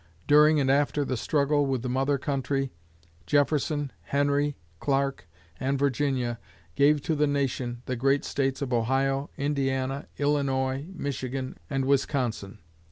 During and after the struggle with the mother country, Jefferson, Henry, Clark, and Virginia gave to the Nation the great States of Ohio, Indiana, Illinois, Michigan, and Wisconsin.